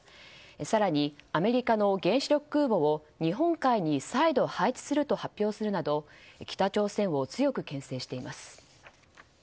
更に、アメリカの原子力空母を日本海に再度配置すると発表するなど北朝鮮を強く牽制しています。